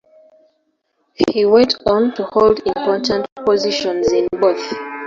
He went on to hold important positions in both.